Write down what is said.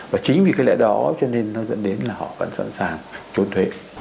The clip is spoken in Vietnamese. và chính vì cái lẽ đó cho nên nó dẫn đến là họ vẫn sẵn sàng trốn thuế